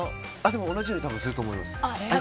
でも、多分同じようにすると思います。